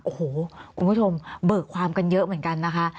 โอ้โหคุณผู้ชมเบิกความกันเยอะเหมือนกันนะคะ